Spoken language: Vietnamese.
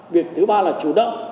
việc thứ ba là chủ động